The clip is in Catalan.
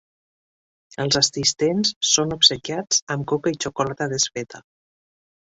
Els assistents són obsequiats amb coca i xocolata desfeta.